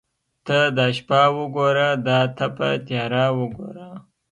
ته دا شپه وګوره دا تپه تیاره وګوره.